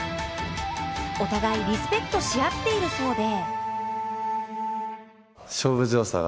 お互いリスペクトし合っているそうで。